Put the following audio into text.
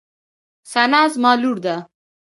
ثنا زما لور ده.